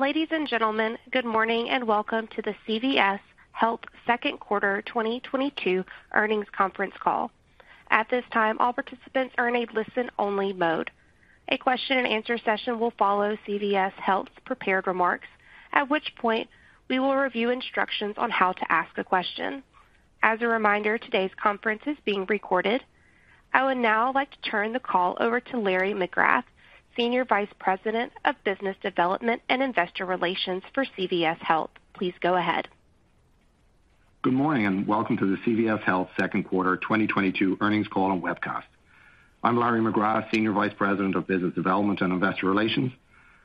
Ladies and gentlemen, good morning, and welcome to the CVS Health Second Quarter 2022 Earnings Conference Call. At this time, all participants are in a listen-only mode. A question-and-answer session will follow CVS Health's prepared remarks, at which point, we will review instructions on how to ask a question. As a reminder, today's conference is being recorded. I would now like to turn the call over to Larry McGrath, Senior Vice President of Business Development and Investor Relations for CVS Health. Please go ahead. Good morning, and welcome to the CVS Health Second Quarter 2022 Earnings Call and Webcast. I'm Larry McGrath, Senior Vice President of Business Development and Investor Relations.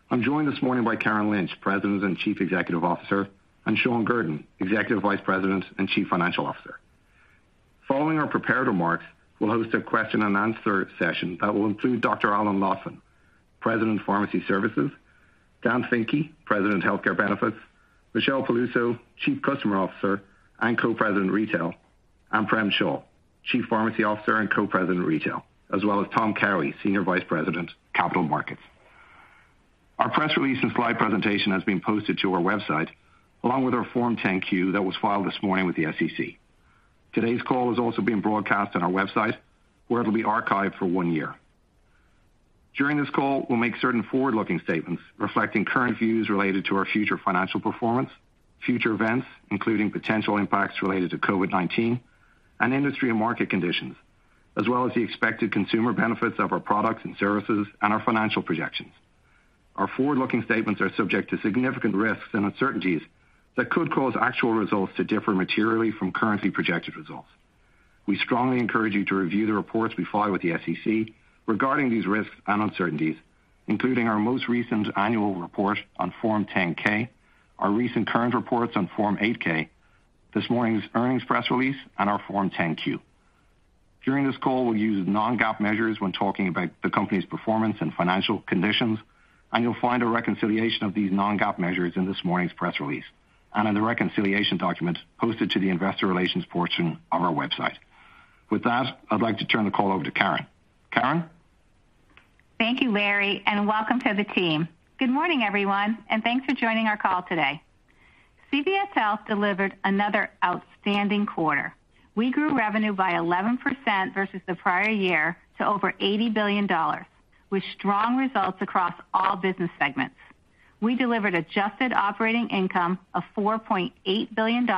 I'm joined this morning by Karen Lynch, President and Chief Executive Officer, and Shawn Guertin, Executive Vice President and Chief Financial Officer. Following our prepared remarks, we'll host a question-and-answer session that will include Dr. Alan Lotvin, President of Pharmacy Services, Dan Finke, President of Healthcare Benefits, Michelle Peluso, Chief Customer Officer and Co-president of Retail, and Prem Shah, Chief Pharmacy Officer and Co-president of Retail, as well as Tom Cowhey, Senior Vice President, Capital Markets. Our press release and slide presentation has been posted to our website, along with our Form 10-Q that was filed this morning with the SEC. Today's call is also being broadcast on our website, where it'll be archived for one year. During this call, we'll make certain forward-looking statements reflecting current views related to our future financial performance, future events, including potential impacts related to COVID-19, and industry and market conditions, as well as the expected consumer benefits of our products and services and our financial projections. Our forward-looking statements are subject to significant risks and uncertainties that could cause actual results to differ materially from currently projected results. We strongly encourage you to review the reports we file with the SEC regarding these risks and uncertainties, including our most recent annual report on Form 10-K, our recent current reports on Form 8-K, this morning's earnings press release, and our Form 10-Q. During this call, we'll use non-GAAP measures when talking about the company's performance and financial conditions, and you'll find a reconciliation of these non-GAAP measures in this morning's press release and in the reconciliation document posted to the investor relations portion of our website. With that, I'd like to turn the call over to Karen. Karen? Thank you, Larry, and welcome to the team. Good morning, everyone, and thanks for joining our call today. CVS Health delivered another outstanding quarter. We grew revenue by 11% versus the prior year to over $80 billion, with strong results across all business segments. We delivered adjusted operating income of $4.8 billion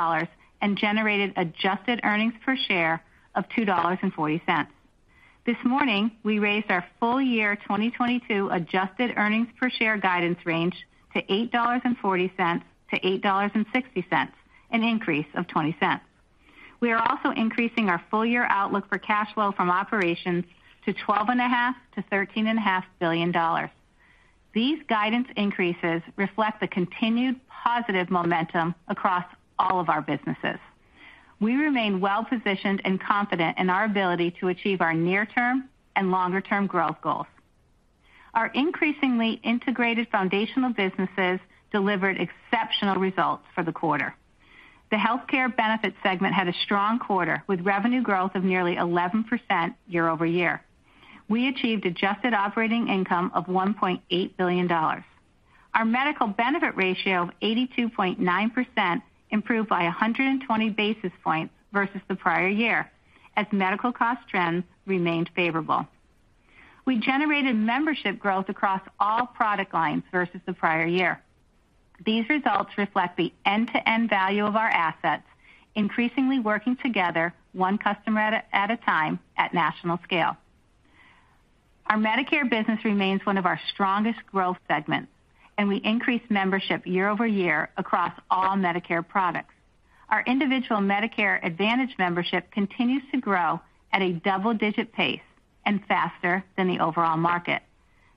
and generated adjusted earnings per share of $2.40. This morning, we raised our full year 2022 adjusted earnings per share guidance range to $8.40-$8.60, an increase of $0.20. We are also increasing our full year outlook for cash flow from operations to $12.5 billion-$13.5 billion. These guidance increases reflect the continued positive momentum across all of our businesses. We remain well-positioned and confident in our ability to achieve our near-term and longer-term growth goals. Our increasingly integrated foundational businesses delivered exceptional results for the quarter. The healthcare benefits segment had a strong quarter, with revenue growth of nearly 11% year-over-year. We achieved adjusted operating income of $1.8 billion. Our medical benefit ratio of 82.9% improved by 120 basis points versus the prior year as medical cost trends remained favorable. We generated membership growth across all product lines versus the prior year. These results reflect the end-to-end value of our assets, increasingly working together one customer at a time at national scale. Our Medicare business remains one of our strongest growth segments, and we increased membership year-over-year across all Medicare products. Our individual Medicare Advantage membership continues to grow at a double-digit pace and faster than the overall market.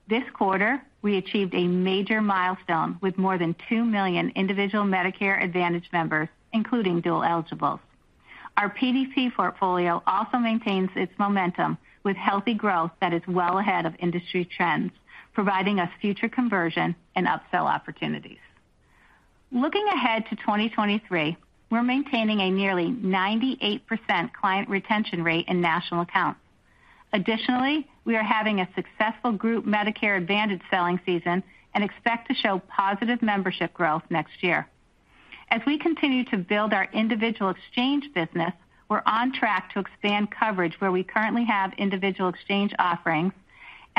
This quarter, we achieved a major milestone with more than 2 million individual Medicare Advantage members, including dual eligibles. Our PDC portfolio also maintains its momentum with healthy growth that is well ahead of industry trends, providing us future conversion and upsell opportunities. Looking ahead to 2023, we're maintaining a nearly 98% client retention rate in national accounts. Additionally, we are having a successful group Medicare Advantage selling season and expect to show positive membership growth next year. As we continue to build our individual exchange business, we're on track to expand coverage where we currently have individual exchange offerings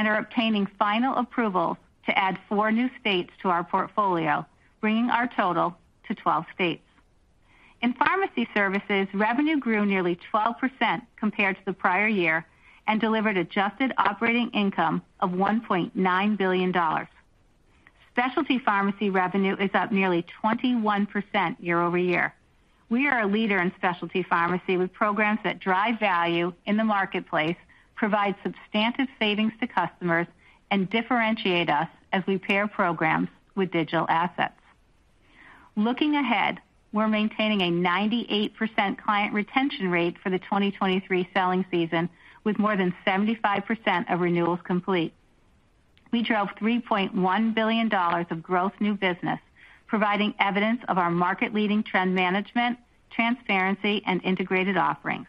and are obtaining final approval to add four new states to our portfolio, bringing our total to 12 states. In pharmacy services, revenue grew nearly 12% compared to the prior year and delivered adjusted operating income of $1.9 billion. Specialty pharmacy revenue is up nearly 21% year-over-year. We are a leader in specialty pharmacy with programs that drive value in the marketplace, provide substantive savings to customers, and differentiate us as we pair programs with digital assets. Looking ahead, we're maintaining a 98% client retention rate for the 2023 selling season, with more than 75% of renewals complete. We drove $3.1 billion of gross new business, providing evidence of our market-leading trend management, transparency, and integrated offerings.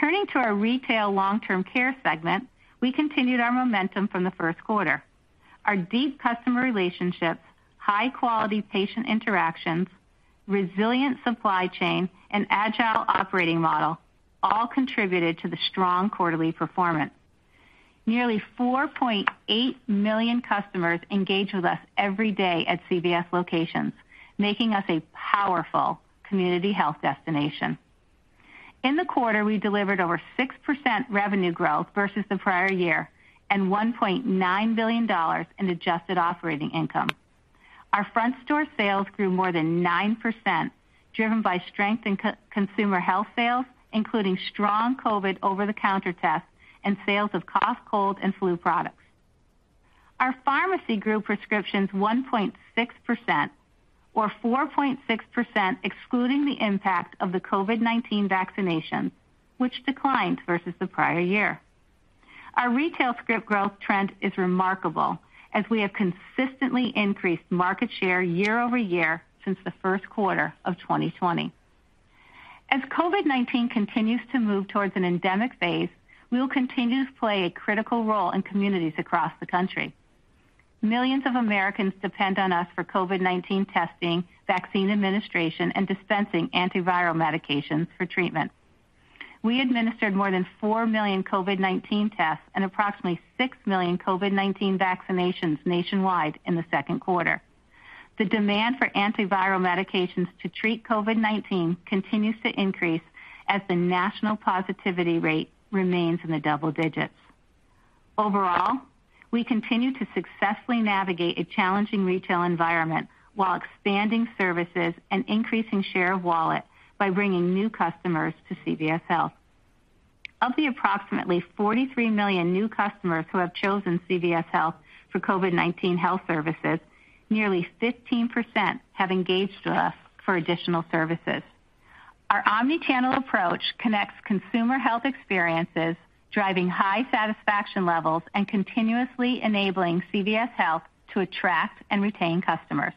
Turning to our retail long-term care segment, we continued our momentum from the first quarter. Our deep customer relationships, high-quality patient interactions, resilient supply chain, and agile operating model all contributed to the strong quarterly performance. Nearly 4.8 million customers engage with us every day at CVS locations, making us a powerful community health destination. In the quarter, we delivered over 6% revenue growth versus the prior year and $1.9 billion in adjusted operating income. Our front-store sales grew more than 9%, driven by strength in consumer health sales, including strong COVID over-the-counter tests and sales of cough, cold, and flu products. Our pharmacy grew prescriptions 1.6% or 4.6%, excluding the impact of the COVID-19 vaccinations, which declined versus the prior year. Our retail script growth trend is remarkable, as we have consistently increased market share year-over-year since the first quarter of 2020. As COVID-19 continues to move towards an endemic phase, we will continue to play a critical role in communities across the country. Millions of Americans depend on us for COVID-19 testing, vaccine administration, and dispensing antiviral medications for treatment. We administered more than 4 million COVID-19 tests and approximately 6 million COVID-19 vaccinations nationwide in the second quarter. The demand for antiviral medications to treat COVID-19 continues to increase as the national positivity rate remains in the double digits. Overall, we continue to successfully navigate a challenging retail environment while expanding services and increasing share of wallet by bringing new customers to CVS Health. Of the approximately 43 million new customers who have chosen CVS Health for COVID-19 health services, nearly 15% have engaged with us for additional services. Our omnichannel approach connects consumer health experiences, driving high satisfaction levels and continuously enabling CVS Health to attract and retain customers.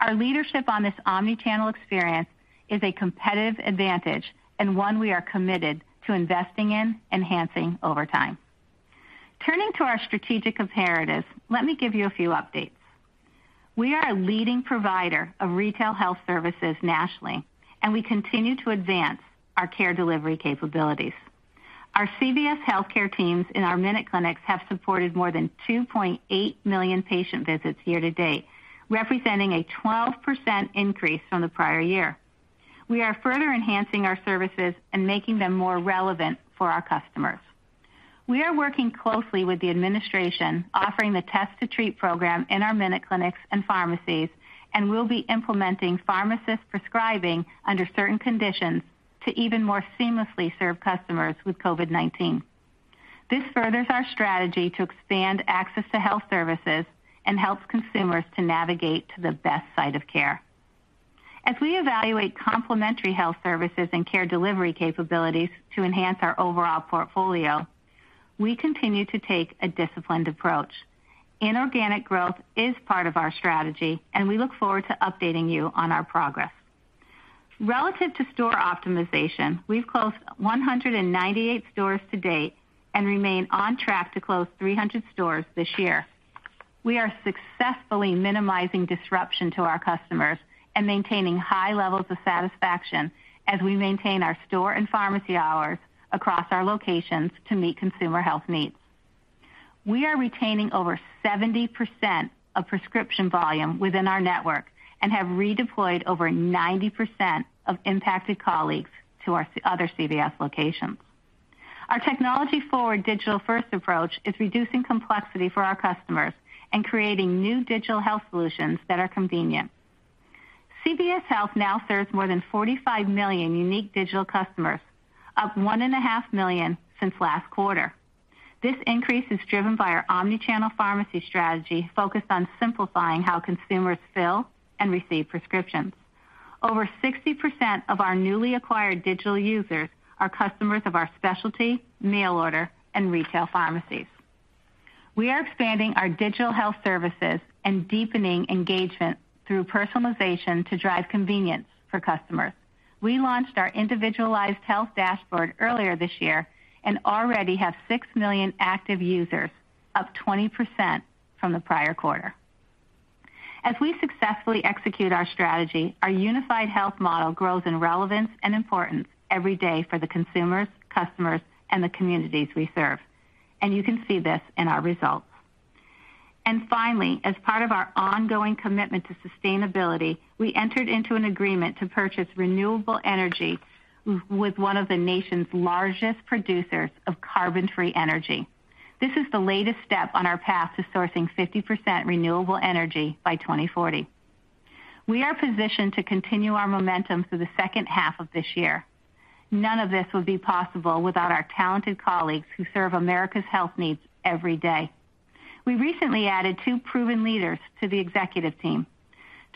Our leadership on this omnichannel experience is a competitive advantage and one we are committed to investing in enhancing over time. Turning to our strategic imperatives, let me give you a few updates. We are a leading provider of retail health services nationally, and we continue to advance our care delivery capabilities. Our CVS Health care teams in our MinuteClinics have supported more than 2.8 million patient visits year-to-date, representing a 12% increase from the prior year. We are further enhancing our services and making them more relevant for our customers. We are working closely with the administration, offering the Test to Treat program in our MinuteClinics and pharmacies, and we'll be implementing pharmacist prescribing under certain conditions to even more seamlessly serve customers with COVID-19. This furthers our strategy to expand access to health services and helps consumers to navigate to the best site of care. As we evaluate complementary health services and care delivery capabilities to enhance our overall portfolio, we continue to take a disciplined approach. Inorganic growth is part of our strategy, and we look forward to updating you on our progress. Relative to store optimization, we've closed 198 stores to date and remain on track to close 300 stores this year. We are successfully minimizing disruption to our customers and maintaining high levels of satisfaction as we maintain our store and pharmacy hours across our locations to meet consumer health needs. We are retaining over 70% of prescription volume within our network and have redeployed over 90% of impacted colleagues to our other CVS locations. Our technology-forward digital-first approach is reducing complexity for our customers and creating new digital health solutions that are convenient. CVS Health now serves more than 45 million unique digital customers, up 1.5 million since last quarter. This increase is driven by our omnichannel pharmacy strategy focused on simplifying how consumers fill and receive prescriptions. Over 60% of our newly acquired digital users are customers of our specialty, mail order, and retail pharmacies. We are expanding our digital health services and deepening engagement through personalization to drive convenience for customers. We launched our individualized health dashboard earlier this year and already have 6 million active users, up 20% from the prior quarter. As we successfully execute our strategy, our unified health model grows in relevance and importance every day for the consumers, customers, and the communities we serve, and you can see this in our results. Finally, as part of our ongoing commitment to sustainability, we entered into an agreement to purchase renewable energy with one of the nation's largest producers of carbon-free energy. This is the latest step on our path to sourcing 50% renewable energy by 2040. We are positioned to continue our momentum through the second half of this year. None of this would be possible without our talented colleagues who serve America's health needs every day. We recently added two proven leaders to the executive team.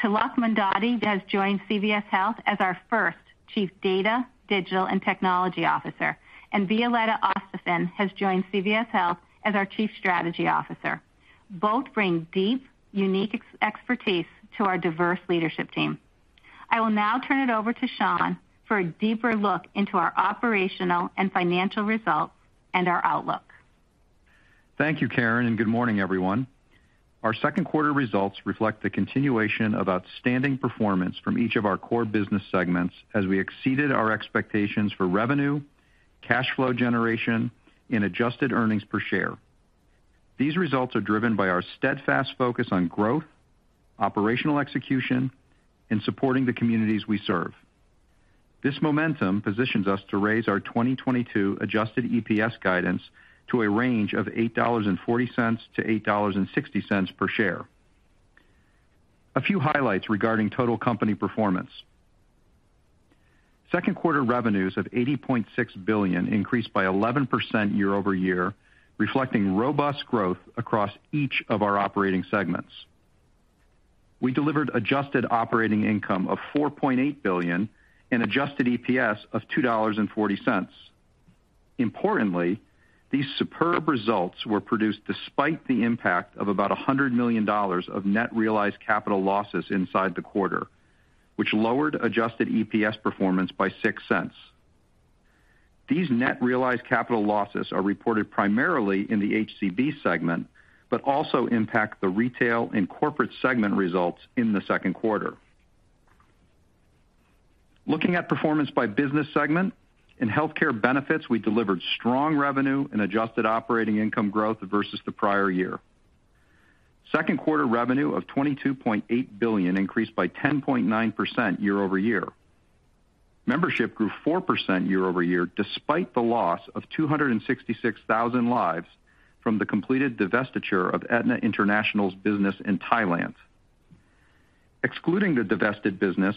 Tilak Mandadi has joined CVS Health as our first Chief Data, Digital, and Technology Officer, and Violetta Ostafin has joined CVS Health as our Chief Strategy Officer. Both bring deep, unique expertise to our diverse leadership team. I will now turn it over to Shawn for a deeper look into our operational and financial results and our outlook. Thank you, Karen, and good morning, everyone. Our second quarter results reflect the continuation of outstanding performance from each of our core business segments as we exceeded our expectations for revenue, cash flow generation, and adjusted earnings per share. These results are driven by our steadfast focus on growth, operational execution, and supporting the communities we serve. This momentum positions us to raise our 2022 adjusted EPS guidance to a range of $8.40-$8.60 per share. A few highlights regarding total company performance. Second quarter revenues of $80.6 billion increased by 11% year-over-year, reflecting robust growth across each of our operating segments. We delivered adjusted operating income of $4.8 billion and adjusted EPS of $2.40. Importantly, these superb results were produced despite the impact of about $100 million of net realized capital losses inside the quarter, which lowered adjusted EPS performance by $0.06. These net realized capital losses are reported primarily in the HCB segment, but also impact the retail and corporate segment results in the second quarter. Looking at performance by business segment, in healthcare benefits, we delivered strong revenue and adjusted operating income growth versus the prior year. Second quarter revenue of $22.8 billion increased by 10.9% year-over-year. Membership grew 4% year-over-year, despite the loss of 266,000 lives from the completed divestiture of Aetna International's business in Thailand. Excluding the divested business,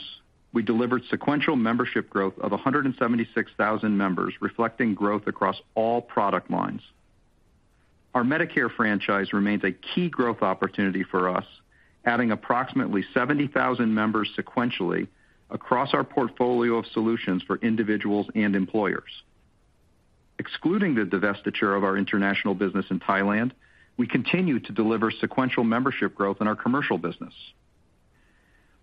we delivered sequential membership growth of 176,000 members, reflecting growth across all product lines. Our Medicare franchise remains a key growth opportunity for us, adding approximately 70,000 members sequentially across our portfolio of solutions for individuals and employers. Excluding the divestiture of our international business in Thailand, we continue to deliver sequential membership growth in our commercial business.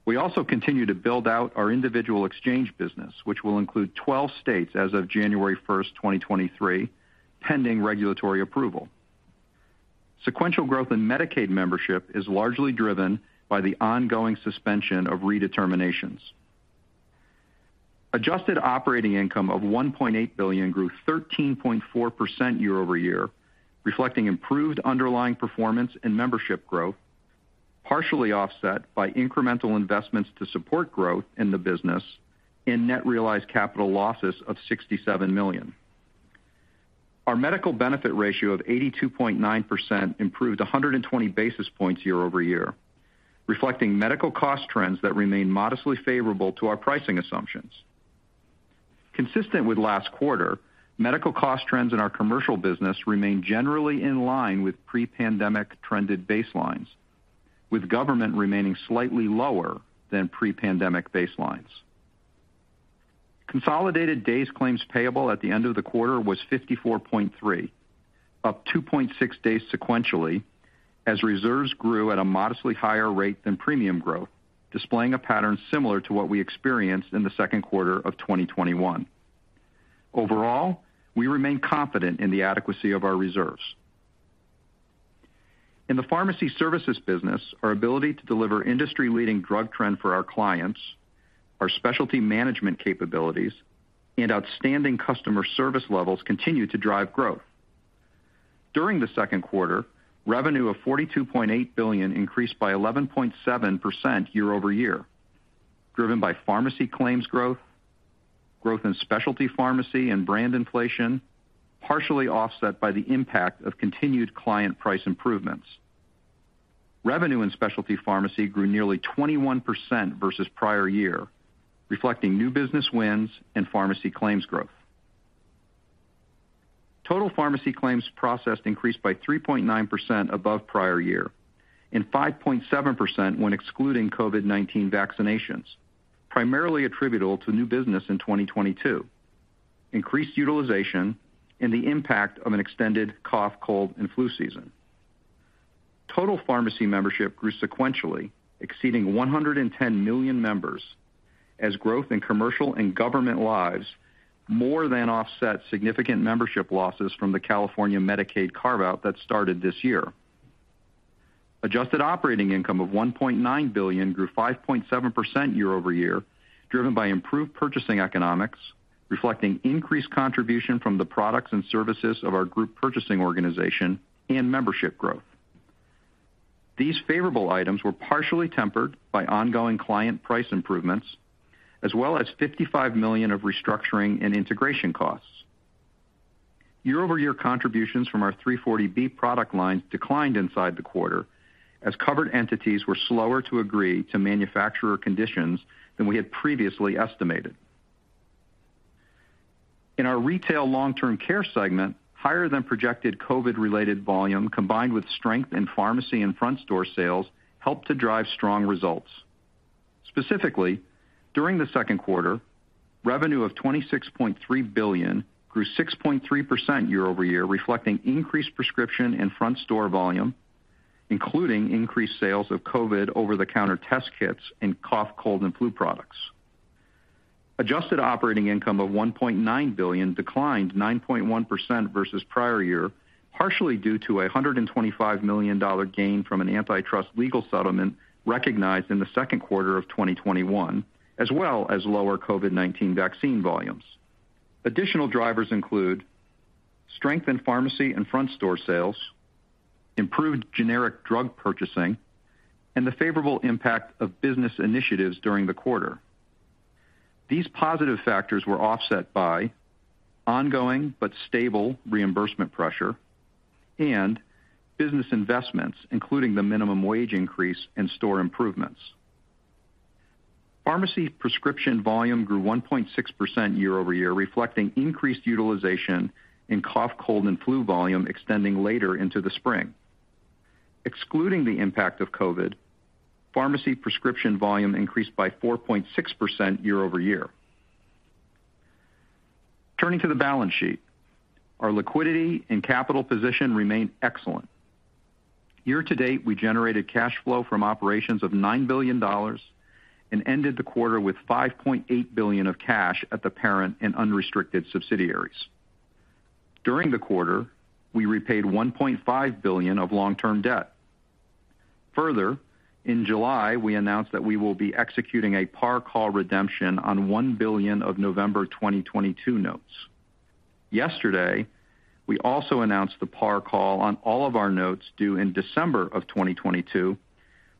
We also continue to build out our individual exchange business, which will include 12 states as of January 1, 2023, pending regulatory approval. Sequential growth in Medicaid membership is largely driven by the ongoing suspension of redeterminations. Adjusted operating income of $1.8 billion grew 13.4% year-over-year, reflecting improved underlying performance and membership growth, partially offset by incremental investments to support growth in the business in net realized capital losses of $67 million. Our medical benefit ratio of 82.9% improved 120 basis points year-over-year, reflecting medical cost trends that remain modestly favorable to our pricing assumptions. Consistent with last quarter, medical cost trends in our commercial business remain generally in line with pre-pandemic trended baselines, with government remaining slightly lower than pre-pandemic baselines. Consolidated days claims payable at the end of the quarter was 54.3, up 2.6 days sequentially as reserves grew at a modestly higher rate than premium growth, displaying a pattern similar to what we experienced in the second quarter of 2021. Overall, we remain confident in the adequacy of our reserves. In the pharmacy services business, our ability to deliver industry-leading drug trend for our clients, our specialty management capabilities, and outstanding customer service levels continue to drive growth. During the second quarter, revenue of $42.8 billion increased by 11.7% year-over-year, driven by pharmacy claims growth in specialty pharmacy and brand inflation, partially offset by the impact of continued client price improvements. Revenue in specialty pharmacy grew nearly 21% versus prior year, reflecting new business wins and pharmacy claims growth. Total pharmacy claims processed increased by 3.9% above prior year and 5.7% when excluding COVID-19 vaccinations, primarily attributable to new business in 2022, increased utilization, and the impact of an extended cough, cold and flu season. Total pharmacy membership grew sequentially, exceeding 110 million members as growth in commercial and government lives more than offset significant membership losses from the California Medicaid carve-out that started this year. Adjusted operating income of $1.9 billion grew 5.7% year-over-year, driven by improved purchasing economics, reflecting increased contribution from the products and services of our group purchasing organization and membership growth. These favorable items were partially tempered by ongoing client price improvements, as well as $55 million of restructuring and integration costs. Year-over-year contributions from our 340B product lines declined inside the quarter as covered entities were slower to agree to manufacturer conditions than we had previously estimated. In our retail long-term care segment, higher than projected COVID-related volume, combined with strength in pharmacy and front store sales, helped to drive strong results. Specifically, during the second quarter, revenue of $26.3 billion grew 6.3% year-over-year, reflecting increased prescriptions and front store volume, including increased sales of COVID over-the-counter test kits and cough, cold and flu products. Adjusted operating income of $1.9 billion declined 9.1% versus prior year, partially due to a $125 million gain from an antitrust legal settlement recognized in the second quarter of 2021, as well as lower COVID-19 vaccine volumes. Additional drivers include strengthened pharmacy and front store sales, improved generic drug purchasing, and the favorable impact of business initiatives during the quarter. These positive factors were offset by ongoing but stable reimbursement pressure and business investments, including the minimum wage increase and store improvements. Pharmacy prescription volume grew 1.6% year over year, reflecting increased utilization in cough, cold and flu volume extending later into the spring. Excluding the impact of COVID, pharmacy prescription volume increased by 4.6% year over year. Turning to the balance sheet. Our liquidity and capital position remain excellent. Year to date, we generated cash flow from operations of $9 billion and ended the quarter with $5.8 billion of cash at the parent and unrestricted subsidiaries. During the quarter, we repaid $1.5 billion of long-term debt. Further, in July, we announced that we will be executing a par call redemption on $1 billion of November 2022 notes. Yesterday, we also announced the par call on all of our notes due in December 2022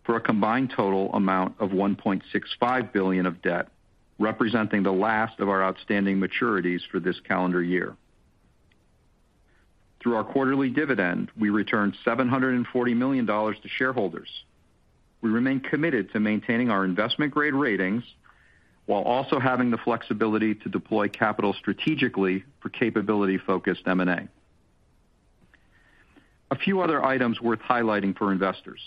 for a combined total amount of $1.65 billion of debt, representing the last of our outstanding maturities for this calendar year. Through our quarterly dividend, we returned $740 million to shareholders. We remain committed to maintaining our investment-grade ratings while also having the flexibility to deploy capital strategically for capability-focused M&A. A few other items worth highlighting for investors.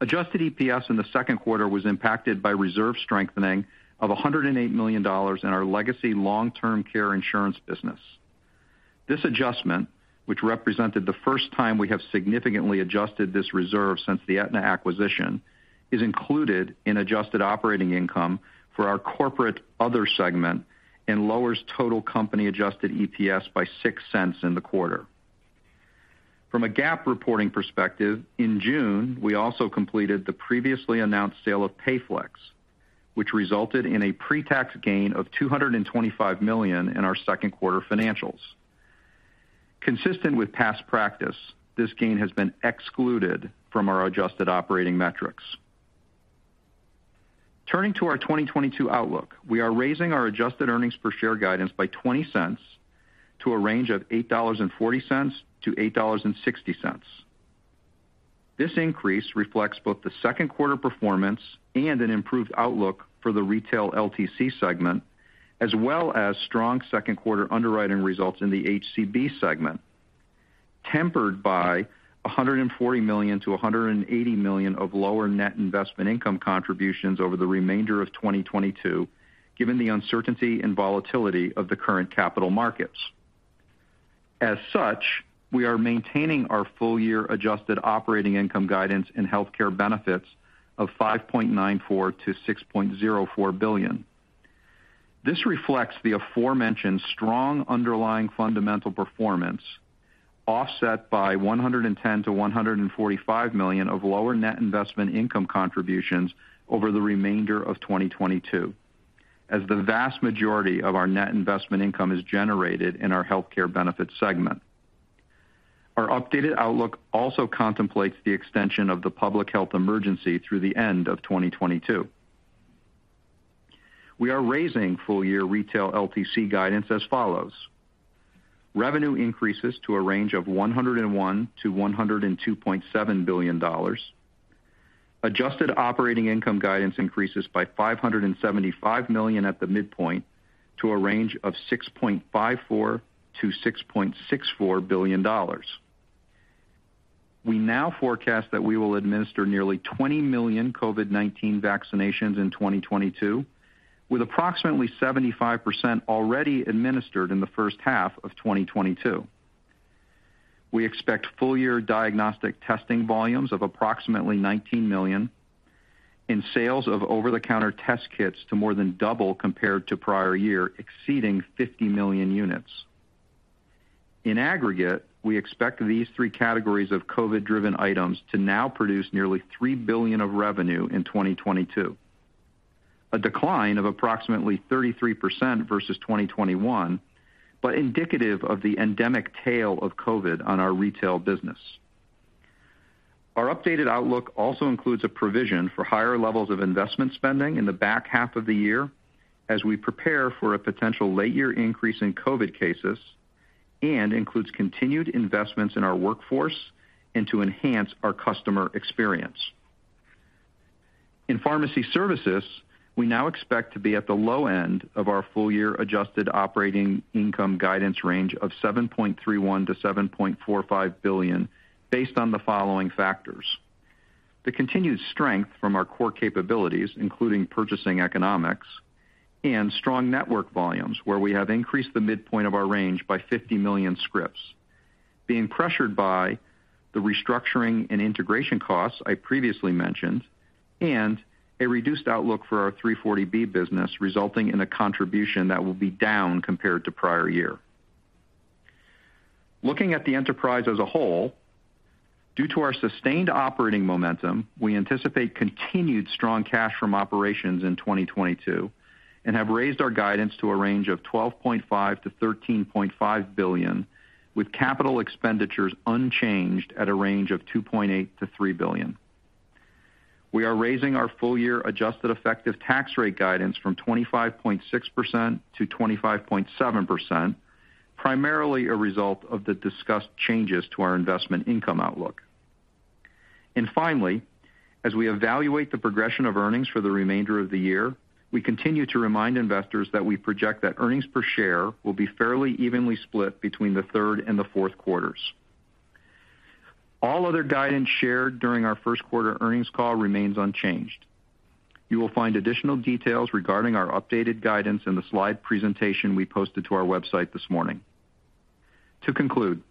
Adjusted EPS in the second quarter was impacted by reserve strengthening of $108 million in our legacy long-term care insurance business. This adjustment, which represented the first time we have significantly adjusted this reserve since the Aetna acquisition, is included in adjusted operating income for our corporate other segment and lowers total company adjusted EPS by $0.06 in the quarter. From a GAAP reporting perspective, in June, we also completed the previously announced sale of PayFlex, which resulted in a pre-tax gain of $225 million in our second quarter financials. Consistent with past practice, this gain has been excluded from our adjusted operating metrics. Turning to our 2022 outlook, we are raising our adjusted earnings per share guidance by $0.20 to a range of $8.40-$8.60. This increase reflects both the second quarter performance and an improved outlook for the retail LTC segment, as well as strong second quarter underwriting results in the HCB segment, tempered by $140 million-$180 million of lower net investment income contributions over the remainder of 2022, given the uncertainty and volatility of the current capital markets. As such, we are maintaining our full-year adjusted operating income guidance in healthcare benefits of $5.94 billion-$6.04 billion. This reflects the aforementioned strong underlying fundamental performance, offset by $110 million-$145 million of lower net investment income contributions over the remainder of 2022, as the vast majority of our net investment income is generated in our healthcare benefits segment. Our updated outlook also contemplates the extension of the public health emergency through the end of 2022. We are raising full-year retail LTC guidance as follows: Revenue increases to a range of $101 billion-$102.7 billion. Adjusted operating income guidance increases by $575 million at the midpoint to a range of $6.54 billion-$6.64 billion. We now forecast that we will administer nearly 20 million COVID-19 vaccinations in 2022, with approximately 75% already administered in the first half of 2022. We expect full-year diagnostic testing volumes of approximately 19 million and sales of over-the-counter test kits to more than double compared to prior year, exceeding 50 million units. In aggregate, we expect these three categories of COVID-driven items to now produce nearly $3 billion of revenue in 2022, a decline of approximately 33% versus 2021, but indicative of the endemic tail of COVID on our retail business. Our updated outlook also includes a provision for higher levels of investment spending in the back half of the year as we prepare for a potential late year increase in COVID cases and includes continued investments in our workforce and to enhance our customer experience. In pharmacy services, we now expect to be at the low end of our full year adjusted operating income guidance range of $7.31 billion-$7.45 billion based on the following factors. The continued strength from our core capabilities, including purchasing economics and strong network volumes, where we have increased the midpoint of our range by 50 million scripts, being pressured by the restructuring and integration costs I previously mentioned, and a reduced outlook for our 340B business, resulting in a contribution that will be down compared to prior year. Looking at the enterprise as a whole, due to our sustained operating momentum, we anticipate continued strong cash from operations in 2022 and have raised our guidance to a range of $12.5 billion-$13.5 billion, with capital expenditures unchanged at a range of $2.8 billion-$3 billion. We are raising our full year adjusted effective tax rate guidance from 25.6% to 25.7%, primarily a result of the discussed changes to our investment income outlook. Finally, as we evaluate the progression of earnings for the remainder of the year, we continue to remind investors that we project that earnings per share will be fairly evenly split between the third and the fourth quarters. All other guidance shared during our first quarter earnings call remains unchanged. You will find additional details regarding our updated guidance in the slide presentation we posted to our website this morning. To conclude,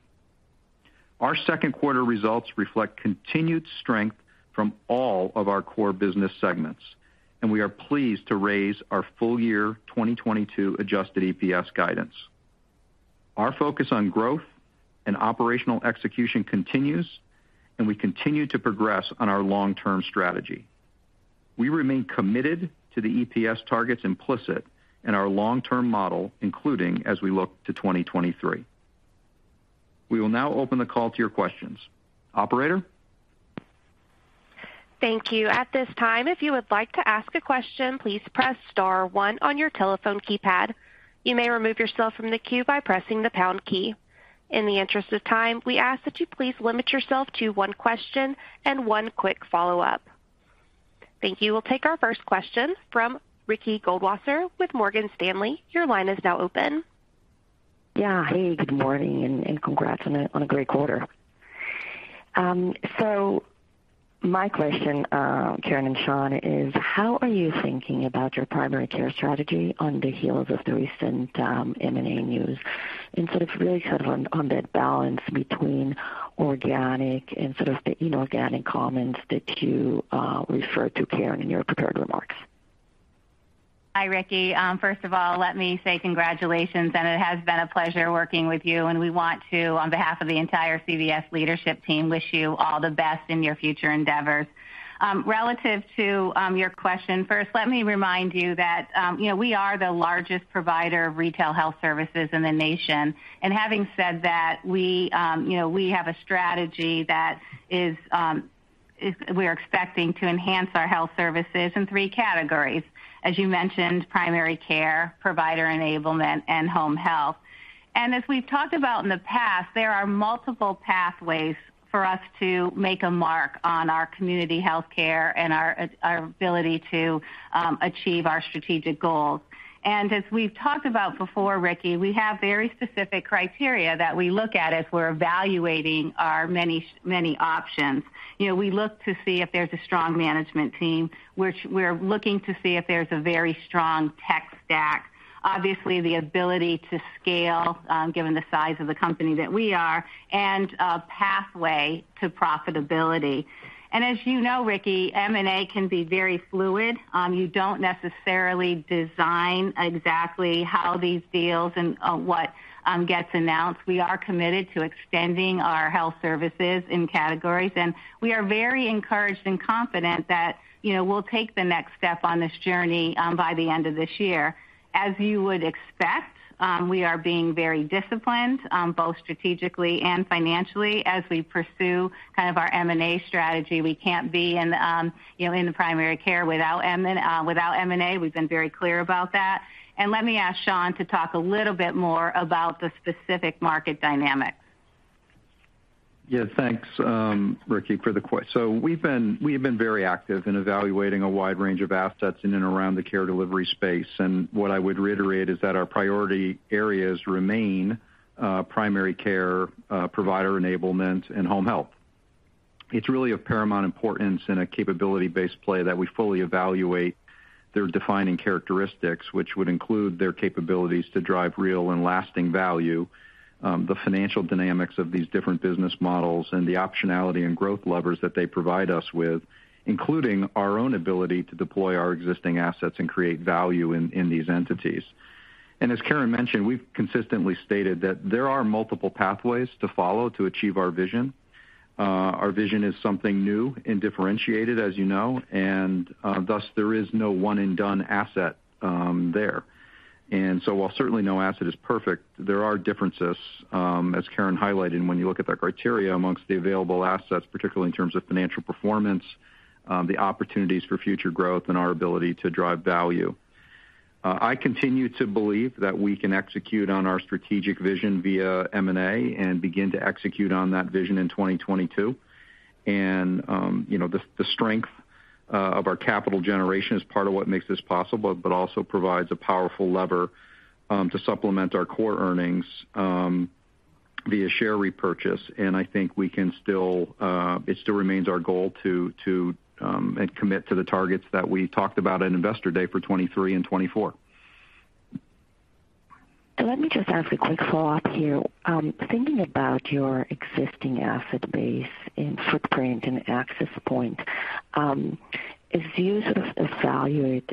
our second quarter results reflect continued strength from all of our core business segments, and we are pleased to raise our full year 2022 adjusted EPS guidance. Our focus on growth and operational execution continues, and we continue to progress on our long term strategy. We remain committed to the EPS targets implicit in our long term model, including as we look to 2023. We will now open the call to your questions. Operator? Thank you. At this time, if you would like to ask a question, please press star one on your telephone keypad. You may remove yourself from the queue by pressing the pound key. In the interest of time, we ask that you please limit yourself to one question and one quick follow-up. Thank you. We'll take our first question from Ricky Goldwasser with Morgan Stanley. Your line is now open. Yeah. Hey, good morning, and congrats on a great quarter. My question, Karen and Shawn, is how are you thinking about your primary care strategy on the heels of the recent M&A news and sort of really kind of on that balance between organic and sort of the inorganic comments that you referred to, Karen, in your prepared remarks? Hi, Ricky. First of all, let me say congratulations, and it has been a pleasure working with you, and we want to, on behalf of the entire CVS leadership team, wish you all the best in your future endeavors. Relative to your question, first, let me remind you that, you know, we are the largest provider of retail health services in the nation. Having said that, we, you know, we have a strategy that is we're expecting to enhance our health services in three categories, as you mentioned, primary care, provider enablement, and home health. As we've talked about in the past, there are multiple pathways for us to make a mark on our community health care and our ability to achieve our strategic goals. As we've talked about before, Ricky, we have very specific criteria that we look at as we're evaluating our many options. You know, we look to see if there's a strong management team, which we're looking to see if there's a very strong tech stack. Obviously, the ability to scale, given the size of the company that we are, and a pathway to profitability. As you know, Ricky, M&A can be very fluid. You don't necessarily design exactly how these deals and what gets announced. We are committed to extending our health services in categories, and we are very encouraged and confident that, you know, we'll take the next step on this journey by the end of this year. As you would expect, we are being very disciplined, both strategically and financially as we pursue kind of our M&A strategy. We can't be in, you know, in the primary care without M&A. We've been very clear about that. Let me ask Shawn to talk a little bit more about the specific market dynamics. Yeah, thanks, Ricky, for the question. So we have been very active in evaluating a wide range of assets in and around the care delivery space. What I would reiterate is that our priority areas remain primary care, provider enablement and home health. It's really of paramount importance in a capability-based play that we fully evaluate their defining characteristics, which would include their capabilities to drive real and lasting value, the financial dynamics of these different business models, and the optionality and growth levers that they provide us with, including our own ability to deploy our existing assets and create value in these entities. As Karen mentioned, we've consistently stated that there are multiple pathways to follow to achieve our vision. Our vision is something new and differentiated, as you know, and thus there is no one and done asset there. While certainly no asset is perfect, there are differences, as Karen highlighted when you look at the criteria among the available assets, particularly in terms of financial performance, the opportunities for future growth and our ability to drive value. I continue to believe that we can execute on our strategic vision via M&A and begin to execute on that vision in 2022. You know, the strength of our capital generation is part of what makes this possible, but also provides a powerful lever to supplement our core earnings via share repurchase, and I think we can still, it still remains our goal to and commit to the targets that we talked about at Investor Day for 2023 and 2024. Let me just ask a quick follow-up here. Thinking about your existing asset base and footprint and access point, as you sort of evaluate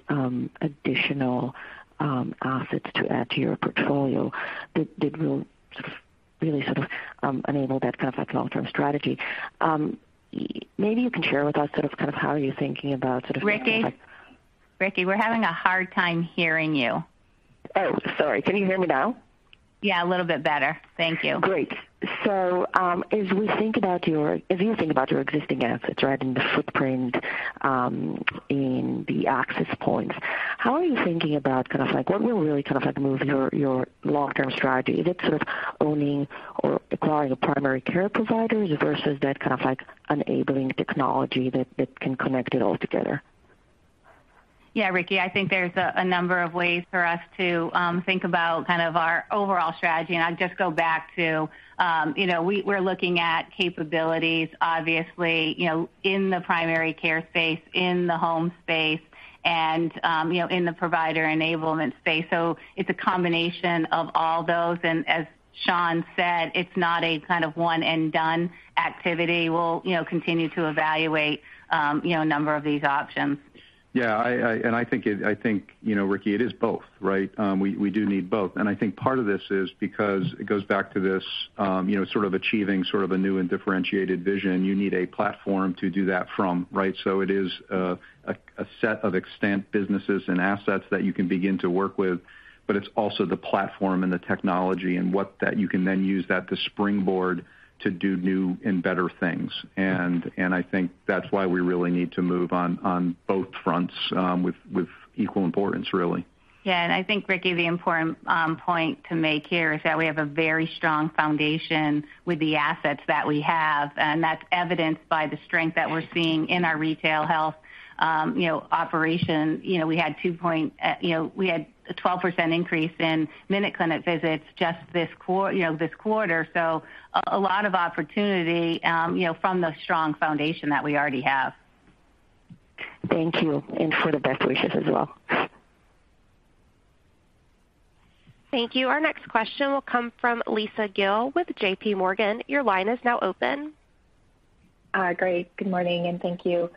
additional assets to add to your portfolio, that will sort of really sort of enable that kind of like long-term strategy. Maybe you can share with us sort of, kind of how you're thinking about sort of like Ricky? Ricky, we're having a hard time hearing you. Oh, sorry. Can you hear me now? Yeah, a little bit better. Thank you. Great. As you think about your existing assets, right, and the footprint, and the access points, how are you thinking about kind of like what will really kind of like move your long-term strategy? Is it sort of owning or acquiring a primary care providers versus that kind of like enabling technology that can connect it all together? Yeah, Ricky, I think there's a number of ways for us to think about kind of our overall strategy. I'd just go back to, you know, we're looking at capabilities, obviously, you know, in the primary care space, in the home space, and, you know, in the provider enablement space. It's a combination of all those, and as Shawn said, it's not a kind of one and done activity. We'll, you know, continue to evaluate, you know, a number of these options. Yeah, I think, you know, Ricky, it is both, right? We do need both. I think part of this is because it goes back to this, you know, sort of achieving sort of a new and differentiated vision. You need a platform to do that from, right? It is a set of existing businesses and assets that you can begin to work with, but it's also the platform and the technology you can then use that to springboard to do new and better things. I think that's why we really need to move on both fronts with equal importance, really. Yeah. I think, Ricky, the important point to make here is that we have a very strong foundation with the assets that we have, and that's evidenced by the strength that we're seeing in our retail health, you know, operation. You know, we had a 12% increase in MinuteClinic visits just this quarter. A lot of opportunity, you know, from the strong foundation that we already have. Thank you, and for the best wishes as well. Thank you. Our next question will come from Lisa Gill with JPMorgan. Your line is now open. Great. Good morning, and thank you.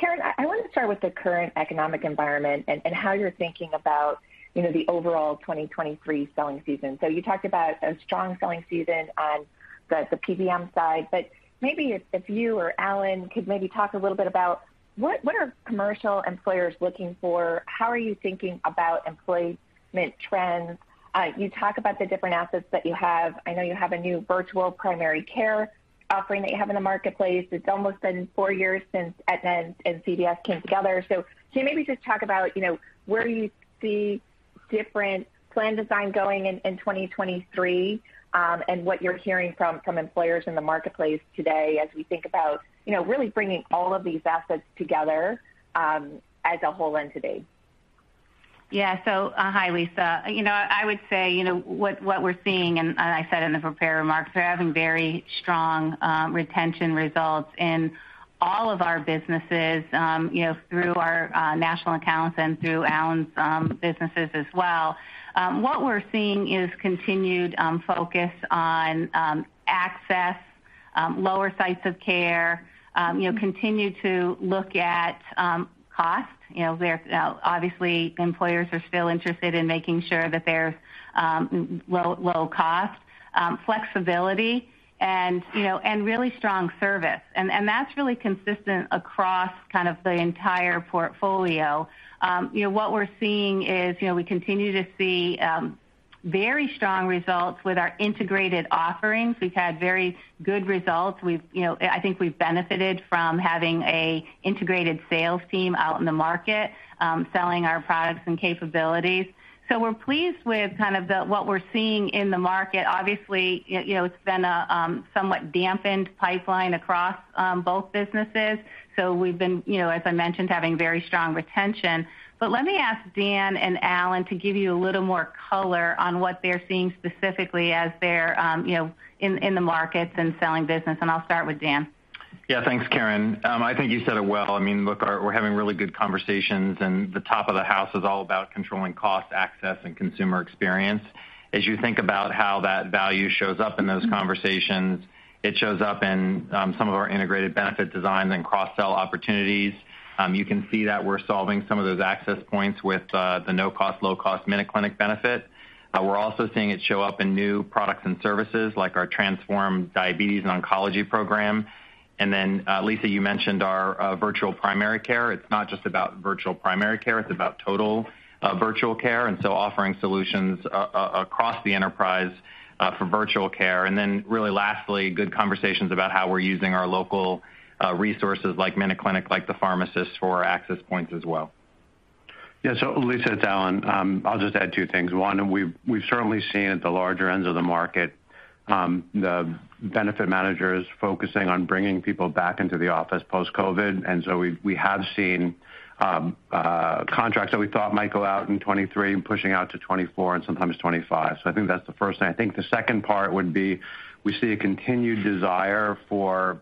Karen, I wanted to start with the current economic environment and how you're thinking about, you know, the overall 2023 selling season. You talked about a strong selling season on the PBM side, but maybe if you or Alan could maybe talk a little bit about what are commercial employers looking for? How are you thinking about employment trends? You talk about the different assets that you have. I know you have a new virtual primary care offering that you have in the marketplace. It's almost been four years since Aetna and CVS came together. Can you maybe just talk about, you know, where you see different plan design going in 2023, and what you're hearing from employers in the marketplace today as we think about, you know, really bringing all of these assets together, as a whole entity? Yeah. Hi, Lisa. You know, I would say, you know, what we're seeing, and I said in the prepared remarks, we're having very strong retention results in all of our businesses, you know, through our national accounts and through Alan's businesses as well. What we're seeing is continued focus on access, lower sites of care, you know, continue to look at cost. You know, obviously employers are still interested in making sure that there's low cost, flexibility and, you know, and really strong service. That's really consistent across kind of the entire portfolio. You know, what we're seeing is, you know, we continue to see very strong results with our integrated offerings. We've had very good results. We've, you know, I think we've benefited from having an integrated sales team out in the market, selling our products and capabilities. We're pleased with kind of what we're seeing in the market. Obviously, you know, it's been a somewhat dampened pipeline across both businesses. We've been, you know, as I mentioned, having very strong retention. Let me ask Dan and Alan to give you a little more color on what they're seeing specifically as they're, you know, in the markets and selling business, and I'll start with Dan. Yeah. Thanks, Karen. I think you said it well. I mean, look, we're having really good conversations, and the top of the house is all about controlling cost, access, and consumer experience. As you think about how that value shows up in those conversations, it shows up in some of our integrated benefit designs and cross-sell opportunities. You can see that we're solving some of those access points with the no-cost, low cost MinuteClinic benefit. We're also seeing it show up in new products and services like our Transform Diabetes and Oncology program. Lisa, you mentioned our Virtual Primary Care. It's not just about Virtual Primary Care, it's about total virtual care, and so offering solutions across the enterprise for virtual care. Really lastly, good conversations about how we're using our local resources like MinuteClinic, like the pharmacists for our access points as well. Yeah. Lisa, it's Alan. I'll just add two things. One, we've certainly seen at the larger ends of the market the benefit managers focusing on bringing people back into the office post-COVID. We have seen contracts that we thought might go out in 2023 pushing out to 2024 and sometimes 2025. I think that's the first thing. I think the second part would be we see a continued desire for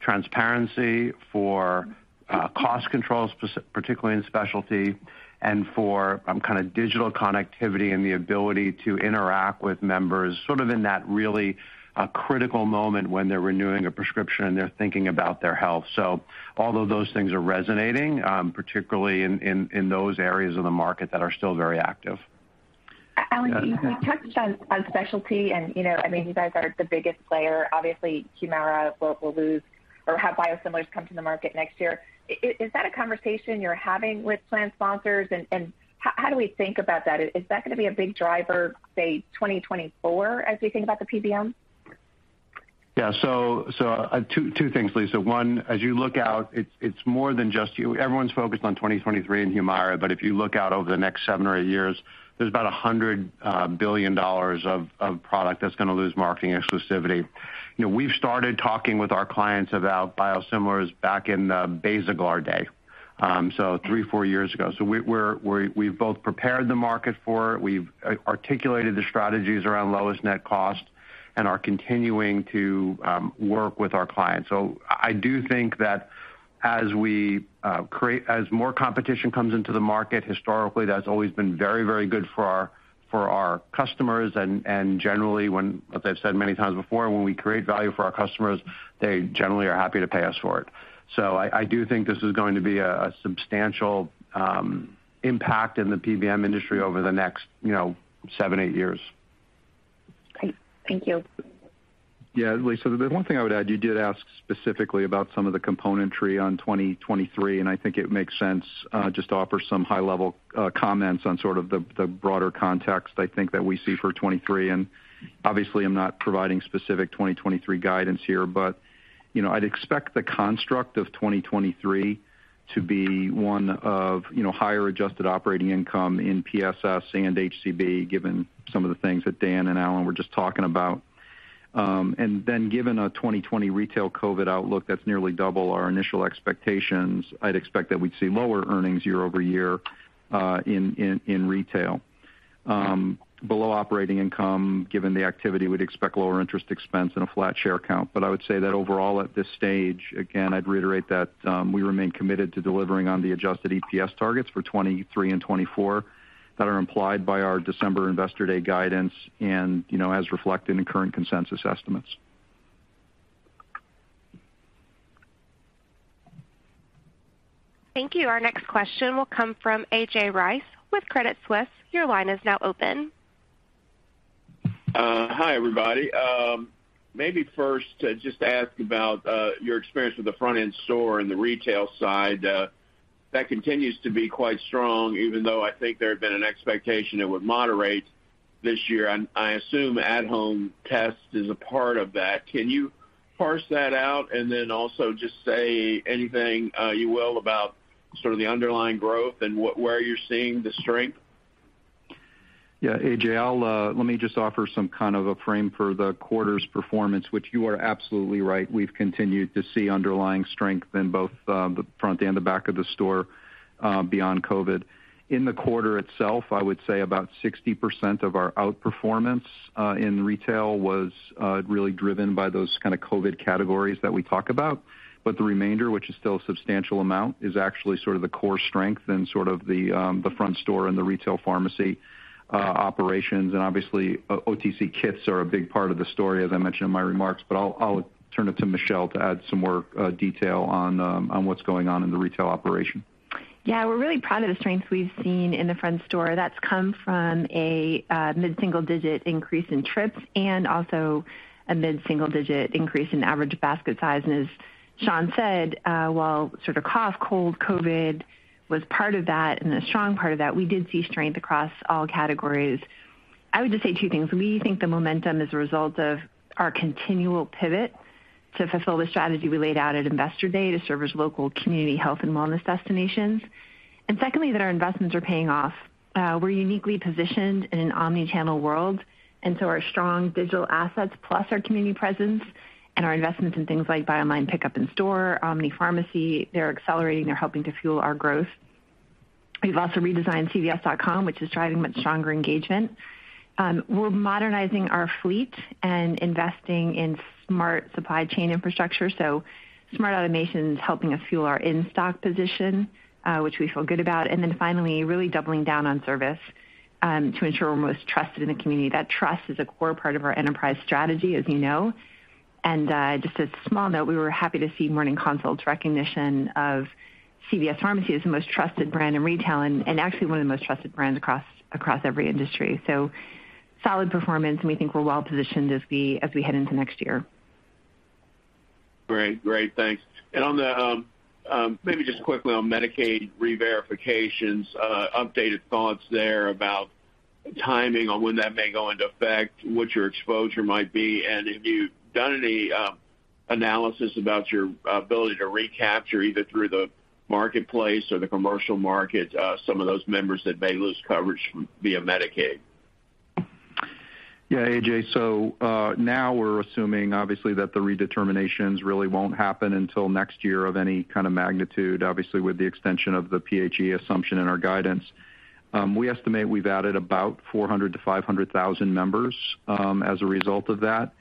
transparency, for cost control, particularly in specialty, and for some kind of digital connectivity and the ability to interact with members, sort of in that really critical moment when they're renewing a prescription and they're thinking about their health. All of those things are resonating, particularly in those areas of the market that are still very active. Alan, you touched on specialty and, you know, I mean, you guys are the biggest player. Obviously, Humira will lose or have biosimilars come to the market next year. Is that a conversation you're having with plan sponsors? How do we think about that? Is that gonna be a big driver, say, 2024 as we think about the PBM? Yeah. Two things, Lisa. One, as you look out, it's more than just you. Everyone's focused on 2023 and Humira, but if you look out over the next seven or eight years, there's about $100 billion of product that's gonna lose marketing exclusivity. You know, we've started talking with our clients about biosimilars back in the Basaglar day three or four years ago. We're, we've both prepared the market for it, we've articulated the strategies around lowest net cost, and are continuing to work with our clients. I do think that as more competition comes into the market, historically, that's always been very good for our customers. Generally, as I've said many times before, when we create value for our customers, they generally are happy to pay us for it. I do think this is going to be a substantial impact in the PBM industry over the next, you know, seven to eight years. Great. Thank you. Lisa, the one thing I would add, you did ask specifically about some of the components on 2023, and I think it makes sense, just to offer some high-level comments on sort of the broader context I think that we see for 2023. Obviously, I'm not providing specific 2023 guidance here. You know, I'd expect the construct of 2023 to be one of, you know, higher adjusted operating income in PSS and HCB, given some of the things that Dan and Alan were just talking about. Then given a 2022 retail COVID outlook that's nearly double our initial expectations, I'd expect that we'd see lower earnings year-over-year in retail. Below operating income, given the activity, we'd expect lower interest expense and a flat share count. I would say that overall, at this stage, again, I'd reiterate that we remain committed to delivering on the Adjusted EPS targets for 2023 and 2024 that are implied by our December Investor Day guidance and, you know, as reflected in current consensus estimates. Thank you. Our next question will come from A.J. Rice with Credit Suisse. Your line is now open. Hi, everybody. Maybe first, just ask about your experience with the front-end store and the retail side. That continues to be quite strong, even though I think there had been an expectation it would moderate this year. I assume at-home test is a part of that. Can you parse that out? Then also just say anything you will about sort of the underlying growth and where you're seeing the strength? Yeah. A.J., let me just offer some kind of a frame for the quarter's performance, which you are absolutely right. We've continued to see underlying strength in both the front and the back of the store beyond COVID. In the quarter itself, I would say about 60% of our outperformance in retail was really driven by those kind of COVID categories that we talk about. The remainder, which is still a substantial amount, is actually sort of the core strength and sort of the front store and the retail pharmacy operations. Obviously, OTC kits are a big part of the story, as I mentioned in my remarks. I'll turn it to Michelle to add some more detail on what's going on in the retail operation. Yeah. We're really proud of the strength we've seen in the front store. That's come from a mid-single digit increase in trips and also a mid-single digit increase in average basket size. As Shawn said, while sort of cough, cold, COVID was part of that and a strong part of that, we did see strength across all categories. I would just say two things. We think the momentum is a result of our continual pivot to fulfill the strategy we laid out at Investor Day to serve as local community health and wellness destinations. Secondly, that our investments are paying off. We're uniquely positioned in an omni-channel world, and so our strong digital assets plus our community presence and our investments in things like buy online pickup in store, omni pharmacy, they're accelerating, they're helping to fuel our growth. We've also redesigned CVS.com, which is driving much stronger engagement. We're modernizing our fleet and investing in smart supply chain infrastructure. Smart automation is helping us fuel our in-stock position, which we feel good about. Finally, really doubling down on service to ensure we're most trusted in the community. That trust is a core part of our enterprise strategy, as you know. Just a small note, we were happy to see Morning Consult's recognition of CVS Pharmacy as the most trusted brand in retail and actually one of the most trusted brands across every industry. Solid performance, and we think we're well-positioned as we head into next year. Great. Thanks. Maybe just quickly on Medicaid reverifications, updated thoughts there about the timing on when that may go into effect, what your exposure might be, and if you've done any analysis about your ability to recapture either through the marketplace or the commercial market, some of those members that may lose coverage via Medicaid. Yeah, A.J. Now we're assuming, obviously, that the redeterminations really won't happen until next year of any kind of magnitude, obviously, with the extension of the PHE assumption in our guidance. We estimate we've added about 400 to 500 thousand members as a result of that.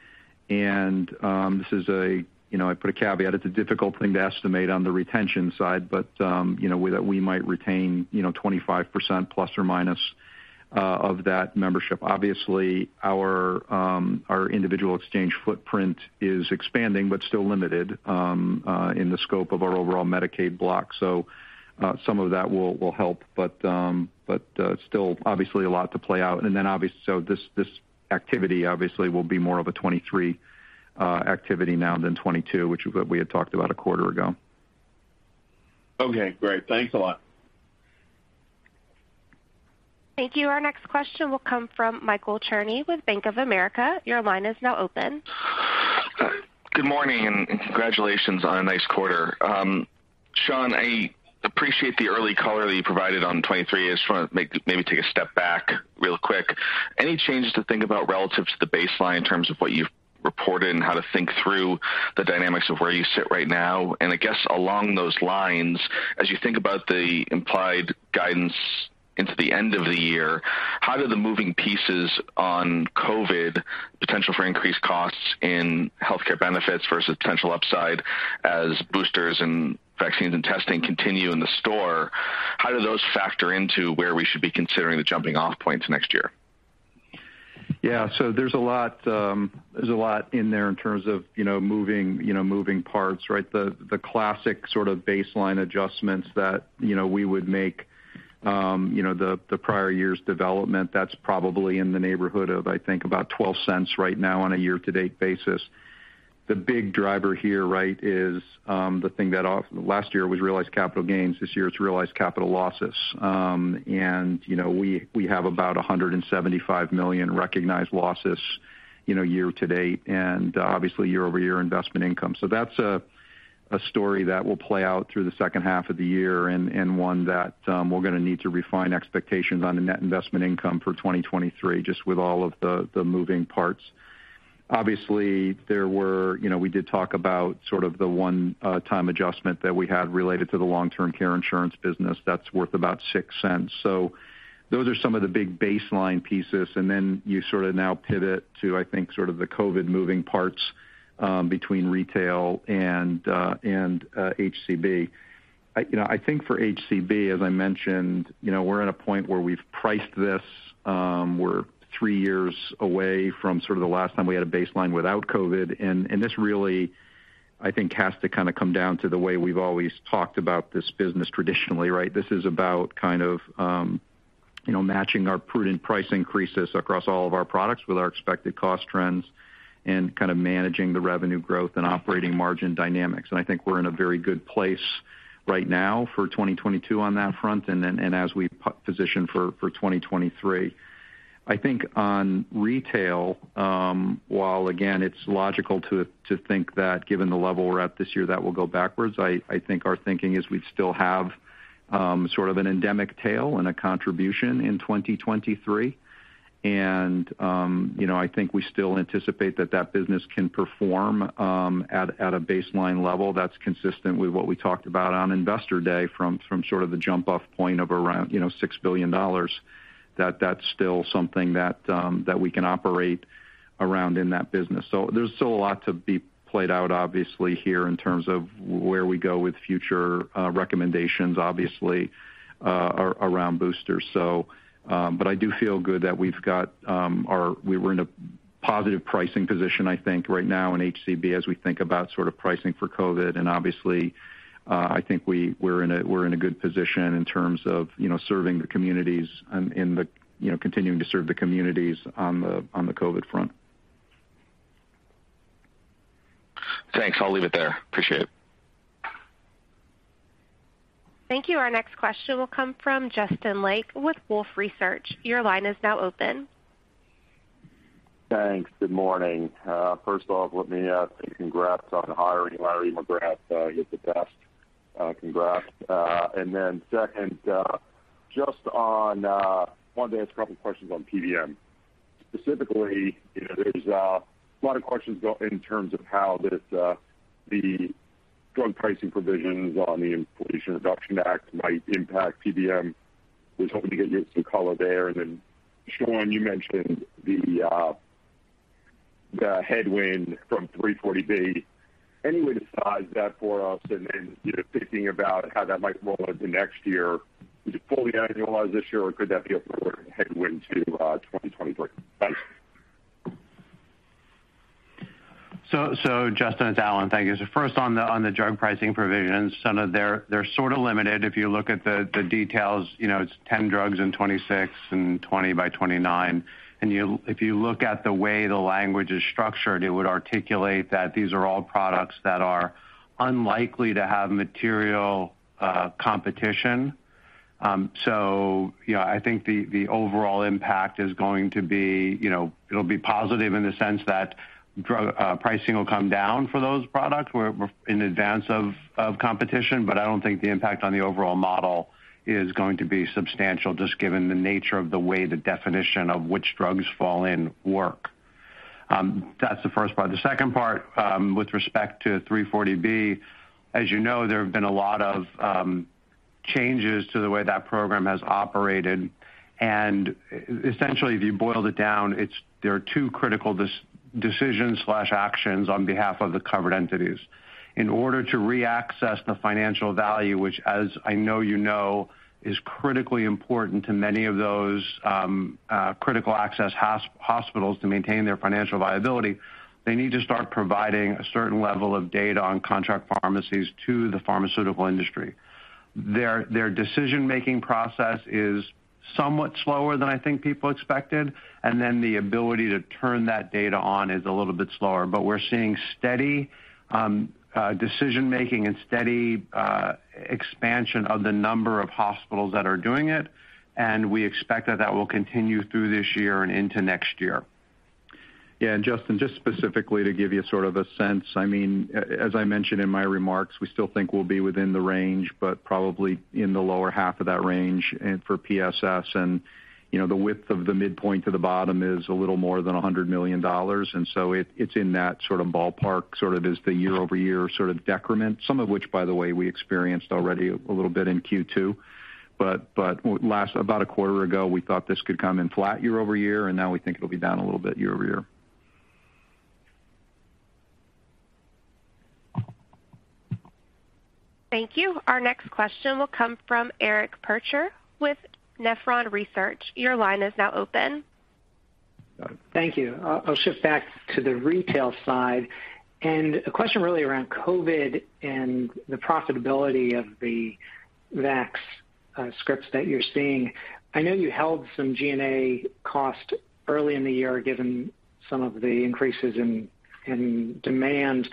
This is a, you know, I put a caveat, it's a difficult thing to estimate on the retention side, but, you know, we might retain, you know, 25% ± of that membership. Obviously, our individual exchange footprint is expanding but still limited in the scope of our overall Medicaid block. Some of that will help. Still obviously a lot to play out. This activity obviously will be more of a 2023 activity now than 2022, which we had talked about a quarter ago. Okay, great. Thanks a lot. Thank you. Our next question will come from Michael Cherny with Bank of America. Your line is now open. Good morning, and congratulations on a nice quarter. Shawn, I appreciate the early color that you provided on 2023. I just want to maybe take a step back real quick. Any changes to think about relative to the baseline in terms of what you've reported and how to think through the dynamics of where you sit right now? I guess along those lines, as you think about the implied guidance into the end of the year, how do the moving pieces on COVID potential for increased costs in healthcare benefits versus potential upside as boosters and vaccines and testing continue in the store, how do those factor into where we should be considering the jumping off points next year? Yeah. There's a lot in there in terms of, you know, moving, you know, moving parts, right? The classic sort of baseline adjustments that, you know, we would make, you know, the prior year's development, that's probably in the neighborhood of, I think, about $0.12 right now on a year-to-date basis. The big driver here, right, is the thing that last year was realized capital gains. This year it's realized capital losses. We have about $175 million recognized losses, you know, year to date and obviously year-over-year investment income. That's a story that will play out through the second half of the year and one that we're gonna need to refine expectations on the net investment income for 2023, just with all of the moving parts. Obviously, there were. You know, we did talk about sort of the one time adjustment that we had related to the long-term care insurance business that's worth about $0.06. Those are some of the big baseline pieces. Then you sort of now pivot to, I think, sort of the COVID moving parts between retail and HCB. You know, I think for HCB, as I mentioned, you know, we're at a point where we've priced this, we're three years away from sort of the last time we had a baseline without COVID. This really, I think, has to kind of come down to the way we've always talked about this business traditionally, right? This is about kind of, you know, matching our prudent price increases across all of our products with our expected cost trends and kind of managing the revenue growth and operating margin dynamics. I think we're in a very good place right now for 2022 on that front, and then and as we position for 2023. I think on retail, while again, it's logical to think that given the level we're at this year, that will go backwards, I think our thinking is we'd still have sort of an endemic tail and a contribution in 2023. You know, I think we still anticipate that the business can perform at a baseline level that's consistent with what we talked about on Investor Day from sort of the jump off point of around, you know, $6 billion. That's still something that we can operate around in that business. There's still a lot to be played out, obviously, here in terms of where we go with future recommendations obviously around boosters. But I do feel good that we were in a positive pricing position, I think, right now in HCB, as we think about sort of pricing for COVID. Obviously, I think we're in a good position in terms of, you know, serving the communities and, you know, continuing to serve the communities on the COVID front. Thanks. I'll leave it there. Appreciate it. Thank you. Our next question will come from Justin Lake with Wolfe Research. Your line is now open. Thanks. Good morning. First of all, let me say congrats on hiring Larry McGrath. He's the best. Congrats. Second, just wanted to ask a couple questions on PBM. Specifically, you know, there's a lot of questions in terms of how the drug pricing provisions of the Inflation Reduction Act might impact PBM. Was hoping to get you to color there. Shawn, you mentioned the headwind from 340B. Any way to size that for us? You know, thinking about how that might roll into next year, would you fully annualize this year, or could that be a forward headwind to 2023? Thanks. Justin, it's Alan. Thank you. First on the drug pricing provisions, some of they're sort of limited. If you look at the details, you know, it's 10 drugs in 2026 and 20 by 2029. If you look at the way the language is structured, it would articulate that these are all products that are unlikely to have material competition. You know, I think the overall impact is going to be, you know, it'll be positive in the sense that drug pricing will come down for those products where we're in advance of competition. I don't think the impact on the overall model is going to be substantial, just given the nature of the way the definition of which drugs fall in work. That's the first part. The second part, with respect to 340B, as you know, there have been a lot of changes to the way that program has operated. Essentially, if you boiled it down, it's. There are two critical decisions/actions on behalf of the covered entities. In order to reaccess the financial value, which, as I know you know, is critically important to many of those critical access hospitals to maintain their financial viability, they need to start providing a certain level of data on contract pharmacies to the pharmaceutical industry. Their decision-making process is somewhat slower than I think people expected, and then the ability to turn that data on is a little bit slower. We're seeing steady decision-making and steady expansion of the number of hospitals that are doing it, and we expect that will continue through this year and into next year. Yeah. Justin, just specifically to give you sort of a sense, I mean, as I mentioned in my remarks, we still think we'll be within the range, but probably in the lower half of that range and for PSS and, you know, the width of the midpoint to the bottom is a little more than $100 million. It's in that sort of ballpark, sort of as the year-over-year sort of decrement, some of which, by the way, we experienced already a little bit in Q2. But about a quarter ago, we thought this could come in flat year-over-year, and now we think it'll be down a little bit year-over-year. Thank you. Our next question will come from Eric Percher with Nephron Research. Your line is now open. Thank you. I'll shift back to the retail side. A question really around COVID and the profitability of the vax, scripts that you're seeing. I know you held some G&A cost early in the year, given some of the increases in demand.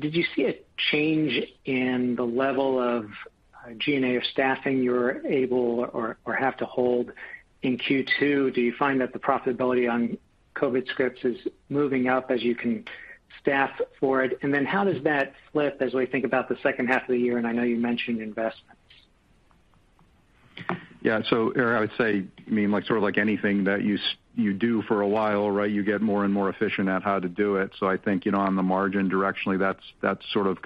Did you see a change in the level of G&A or staffing you were able or have to hold in Q2? Do you find that the profitability on COVID scripts is moving up as you can staff for it? How does that flip as we think about the second half of the year? I know you mentioned investments. Yeah. Eric, I would say, I mean, like, sort of like anything that you do for a while, right, you get more and more efficient at how to do it. I think, you know, on the margin directionally, that's sort of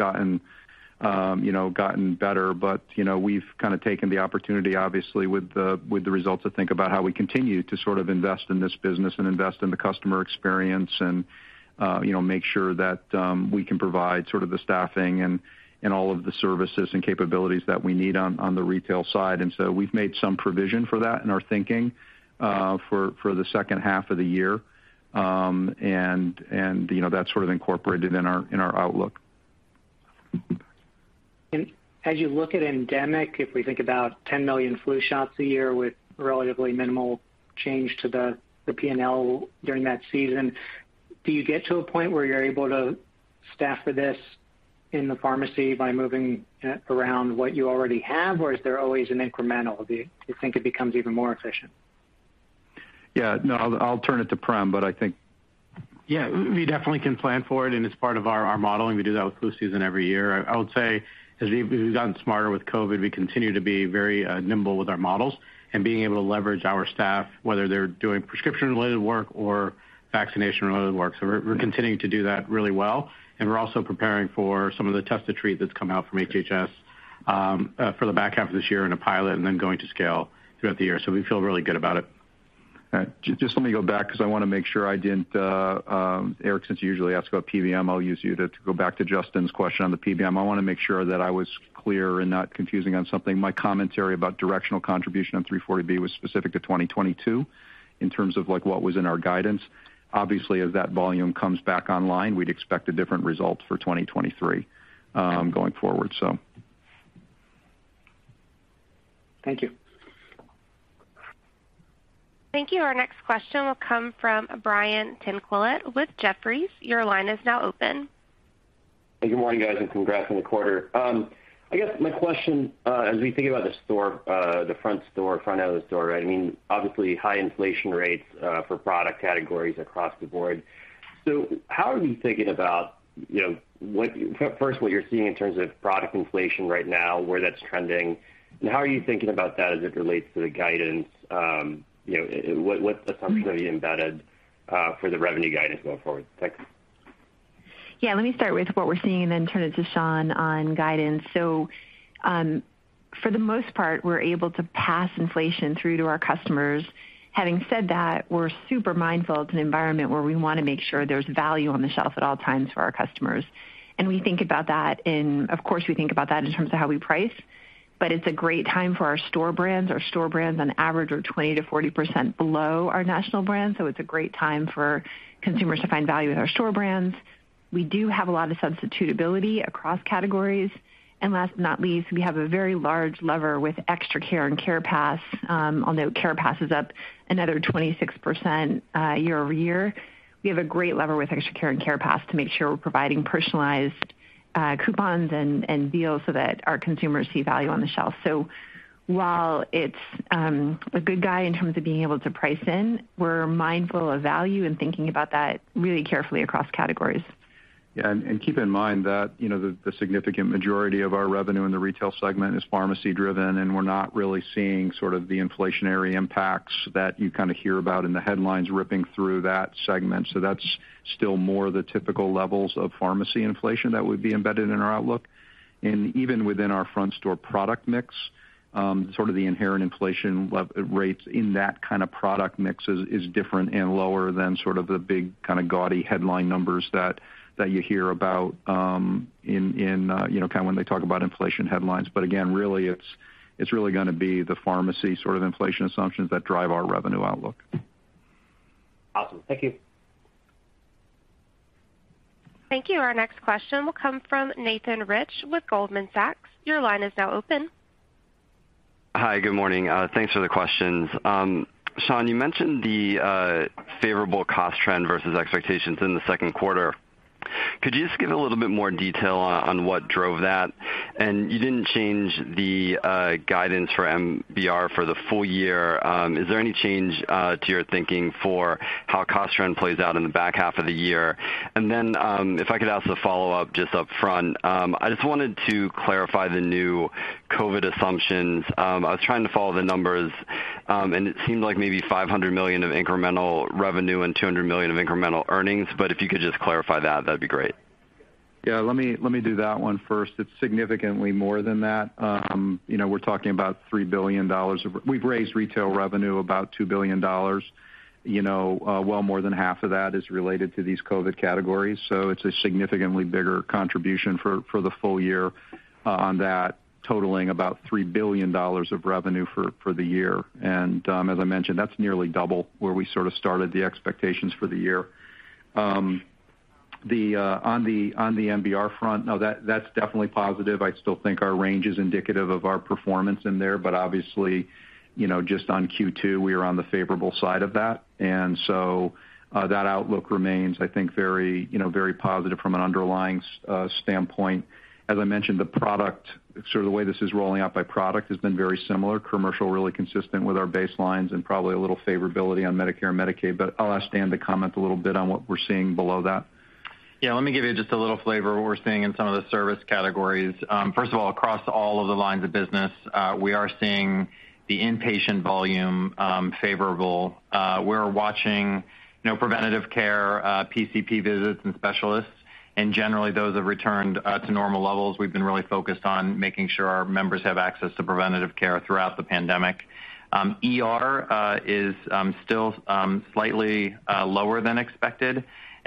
gotten better. But, you know, we've kind of taken the opportunity, obviously, with the results to think about how we continue to sort of invest in this business and invest in the customer experience and, you know, make sure that we can provide sort of the staffing and all of the services and capabilities that we need on the retail side. We've made some provision for that in our thinking for the second half of the year you know, that's sort of incorporated in our outlook. As you look at endemic, if we think about 10 million flu shots a year with relatively minimal change to the P&L during that season, do you get to a point where you're able to staff for this in the pharmacy by moving around what you already have? Or is there always an incremental? Do you think it becomes even more efficient? Yeah, no, I'll turn it to Prem, but I think. Yeah, we definitely can plan for it, and it's part of our modeling. We do that with flu season every year. I would say as we've gotten smarter with COVID, we continue to be very nimble with our models and being able to leverage our staff, whether they're doing prescription-related work or vaccination-related work. We're continuing to do that really well. We're also preparing for some of the Test to Treat that's come out from HHS, for the back half of this year in a pilot and then going to scale throughout the year. We feel really good about it. All right. Just let me go back because I wanna make sure I didn't Eric, since you usually ask about PBM, I'll use you to go back to Justin's question on the PBM. I wanna make sure that I was clear and not confusing on something. My commentary about directional contribution on 340B was specific to 2022 in terms of, like, what was in our guidance. Obviously, as that volume comes back online, we'd expect a different result for 2023 going forward. Thank you. Thank you. Our next question will come from Brian Tanquilut with Jefferies. Your line is now open. Good morning, guys, and congrats on the quarter. I guess my question, as we think about the store, the front store, front end of the store, right? I mean, obviously high inflation rates, for product categories across the board. How are you thinking about, you know, what first, what you're seeing in terms of product inflation right now, where that's trending, and how are you thinking about that as it relates to the guidance? You know, what's the assumption that you embedded, for the revenue guidance going forward? Thanks. Yeah, let me start with what we're seeing and then turn it to Shawn on guidance. For the most part, we're able to pass inflation through to our customers. Having said that, we're super mindful. It's an environment where we wanna make sure there's value on the shelf at all times for our customers. We think about that. Of course, we think about that in terms of how we price, but it's a great time for our store brands. Our store brands on average are 20%-40% below our national brands. It's a great time for consumers to find value in our store brands. We do have a lot of substitutability across categories. Last but not least, we have a very large lever with ExtraCare and CarePass. I'll note CarePass is up another 26% year-over-year. We have a great lever with ExtraCare and CarePass to make sure we're providing personalized, coupons and deals so that our consumers see value on the shelf. While it's a good guy in terms of being able to price in, we're mindful of value and thinking about that really carefully across categories. Yeah. Keep in mind that, you know, the significant majority of our revenue in the retail segment is pharmacy-driven, and we're not really seeing sort of the inflationary impacts that you kinda hear about in the headlines ripping through that segment. That's still more the typical levels of pharmacy inflation that would be embedded in our outlook. Even within our front store product mix, sort of the inherent inflation rates in that kind of product mix is different and lower than sort of the big kinda gaudy headline numbers that you hear about in you know, kinda when they talk about inflation headlines. Again, really, it's really gonna be the pharmacy sort of inflation assumptions that drive our revenue outlook. Awesome. Thank you. Thank you. Our next question will come from Nathan Rich with Goldman Sachs. Your line is now open. Hi, good morning. Thanks for the questions. Shawn, you mentioned the favorable cost trend versus expectations in the second quarter. Could you just give a little bit more detail on what drove that? You didn't change the guidance for MBR for the full year. Is there any change to your thinking for how cost trend plays out in the back half of the year? If I could ask a follow-up just up front. I just wanted to clarify the new COVID assumptions. I was trying to follow the numbers, and it seemed like maybe $500 million of incremental revenue and $200 million of incremental earnings, but if you could just clarify that'd be great. Yeah. Let me do that one first. It's significantly more than that. You know, we're talking about $3 billion. We've raised retail revenue about $2 billion, you know, well more than half of that is related to these COVID categories, so it's a significantly bigger contribution for the full year, on that totaling about $3 billion of revenue for the year. As I mentioned, that's nearly double where we sorta started the expectations for the year. On the MBR front, no, that's definitely positive. I still think our range is indicative of our performance in there. Obviously, you know, just on Q2, we are on the favorable side of that. That outlook remains, I think, very, you know, very positive from an underlying standpoint. As I mentioned, the product, sort of the way this is rolling out by product has been very similar. Commercial, really consistent with our baselines and probably a little favorability on Medicare and Medicaid, but I'll ask Dan to comment a little bit on what we're seeing below that. Yeah. Let me give you just a little flavor of what we're seeing in some of the service categories. First of all, across all of the lines of business, we are seeing the inpatient volume favorable. We're watching, you know, preventative care, PCP visits and specialists, and generally those have returned to normal levels. We've been really focused on making sure our members have access to preventative care throughout the pandemic. ER is still slightly lower than expected.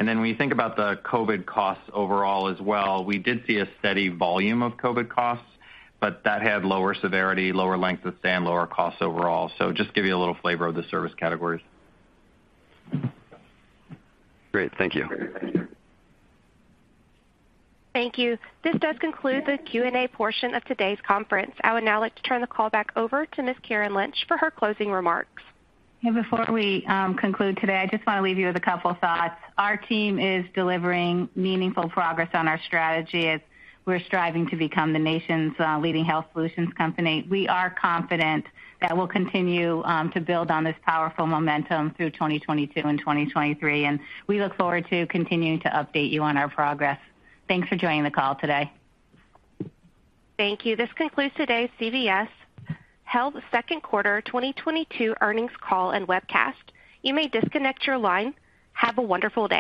Then when you think about the COVID costs overall as well, we did see a steady volume of COVID costs, but that had lower severity, lower length of stay, and lower costs overall. Just give you a little flavor of the service categories. Great. Thank you. Thank you. This does conclude the Q&A portion of today's conference. I would now like to turn the call back over to Ms. Karen Lynch for her closing remarks. Yeah. Before we conclude today, I just wanna leave you with a couple thoughts. Our team is delivering meaningful progress on our strategy as we're striving to become the nation's leading health solutions company. We are confident that we'll continue to build on this powerful momentum through 2022 and 2023, and we look forward to continuing to update you on our progress. Thanks for joining the call today. Thank you. This concludes today's CVS Health Second Quarter 2022 Earnings Call and Webcast. You may disconnect your line. Have a wonderful day.